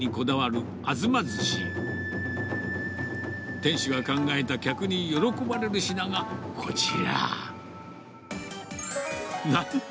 店主が考えた客に喜ばれる品がこちら。